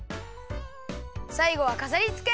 さいごはかざりつけ！